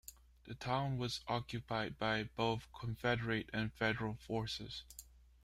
The town was occupied by both Confederate and Federal forces.